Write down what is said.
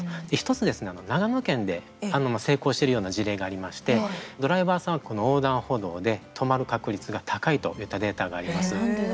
１つ、長野県で成功してるような事例がありましてドライバーさんは横断歩道で止まる確率が高いといったデータがあります。